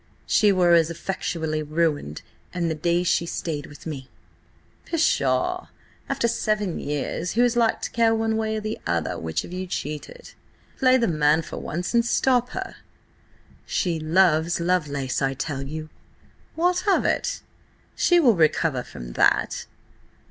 "She were as effectually ruined an she stayed with me." "Pshaw! After seven years, who is like to care one way or the other which of you cheated? Play the man for once and stop her!" "She loves Lovelace, I tell you!" "What of it? She will recover from that."